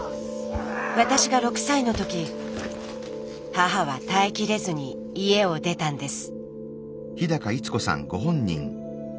私が６歳の時母は耐えきれずに家を出たんです。